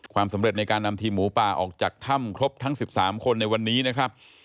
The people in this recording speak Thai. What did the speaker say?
ความสำเร็จในการนำทีมหมูป่าออกจากถ้ำครบทั้ง๑๓คนในวันนี้นะครับ